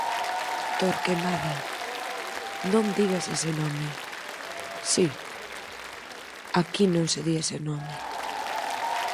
Torquemada. Non digas ese nome. Si. Aquí non se di ese nome.